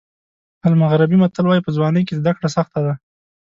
المغربي متل وایي په ځوانۍ کې زده کړه سخته ده.